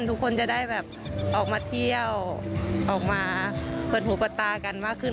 ทุกคนจะได้แบบออกมาเที่ยวออกมาเปิดหูเปิดตากันมากขึ้น